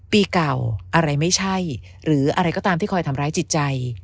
ปีเก่าอะไรไม่ใช่หรืออะไรก็ตามที่คอยทำร้ายจิตใจ